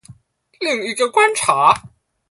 另一個觀察